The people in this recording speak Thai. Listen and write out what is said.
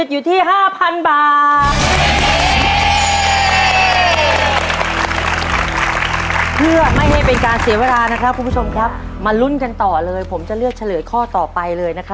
ถูกครับที